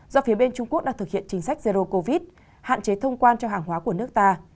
do phía bên trung quốc đang thực hiện chính sách zero covid hạn chế thông quan cho hàng hóa của nước ta